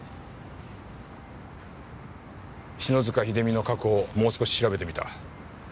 篠塚秀実の過去をもう少し調べてみた。